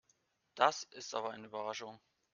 Das ist aber eine Überraschung.